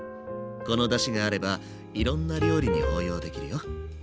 このだしがあればいろんな料理に応用できるよ。